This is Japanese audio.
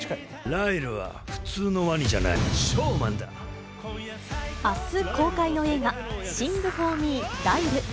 ライルは普通のワニじゃない、あす公開の映画、シング・フォー・ミー、ライル。